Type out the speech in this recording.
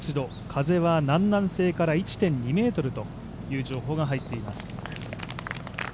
風は南南西から１．２メートルという情報が入っています。